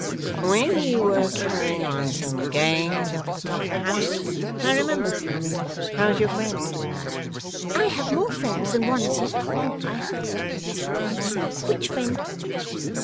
'When you were carrying on some games up at the top of the house. I remember. How's your friend?' 'I have more friends than one, sir, I hope,' replied Miss Wren. 'Which friend?